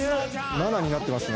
７になってますね。